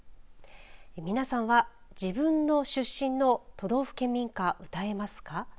皆さんは自分の出身の都道府県民歌を歌えますか。